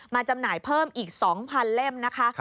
จำหน่ายเพิ่มอีก๒๐๐เล่มนะคะ